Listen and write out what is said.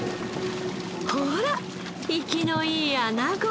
ほら活きのいいアナゴ！